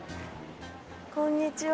こんにちは。